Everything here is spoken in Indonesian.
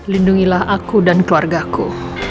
lindungilah aku dan keluarga ku